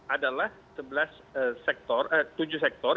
adalah tujuh sektor